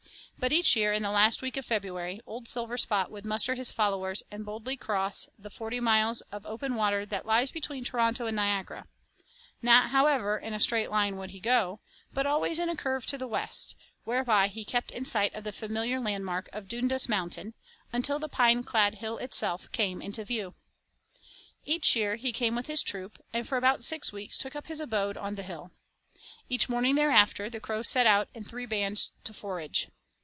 But each year in the last week of February, Old Silverspot would muster his followers and boldly cross the forty miles of open water that lies between Toronto and Niagara; not, however, in a straight line would he go, but always in a curve to the west, whereby he kept in sight of the familiar landmark of Dundas Mountain, until the pine clad hill itself came in view. Each year he came with his troop, and for about six weeks took up his abode on the hill. Each morning thereafter the crows set out in three bands to forage.